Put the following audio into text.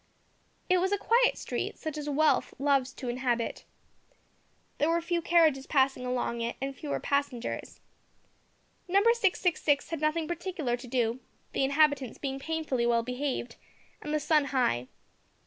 It was a quiet street, such as Wealth loves to inhabit. There were few carriages passing along it, and fewer passengers. Number 666 had nothing particular to do the inhabitants being painfully well behaved, and the sun high.